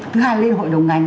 thứ hai là lên hội đồng ngành